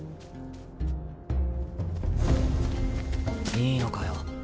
いいのかよ